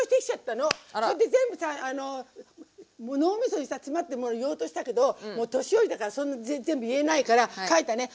それで全部さ脳みそにさ詰まって言おうとしたけどもう年寄りだからそんな全然言えないから書いたね。